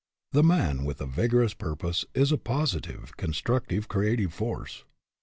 The man with a vigorous purpose is a posi tive, constructive, creative force.